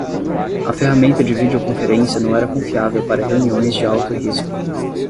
A ferramenta de videoconferência não era confiável para reuniões de alto risco.